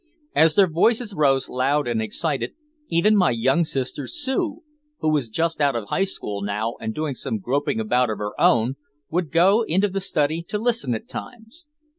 As their voices rose loud and excited, even my young sister Sue, who was just out of high school now and doing some groping about of her own, would go into the study to listen at times.